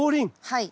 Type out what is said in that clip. はい。